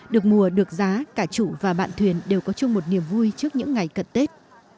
được mùa được giá cả chủ và bạn thuyền đều có chung một niềm vui trước những ngày cận tết